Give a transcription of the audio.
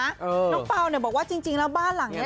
น้องเปล่าเนี่ยบอกว่าจริงแล้วบ้านหลังนี้